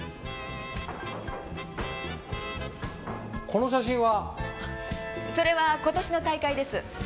この写真は？それは今年の大会です。